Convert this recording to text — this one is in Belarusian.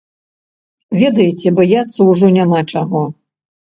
Ведаеце, баяцца ўжо няма чаго.